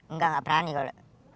nggak nggak berani kalau